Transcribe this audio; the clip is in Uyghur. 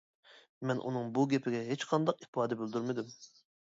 مەن ئۇنىڭ بۇ گېپىگە ھېچقانداق ئىپادە بىلدۈرمىدىم.